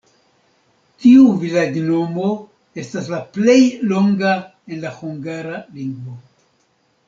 Tiu vilaĝnomo estas la plej longa en la hungara lingvo.